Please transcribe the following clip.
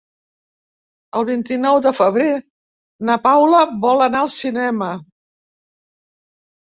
El vint-i-nou de febrer na Paula vol anar al cinema.